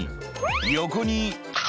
「横に」